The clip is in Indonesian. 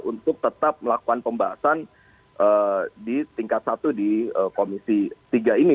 untuk tetap melakukan pembahasan di tingkat satu di komisi tiga ini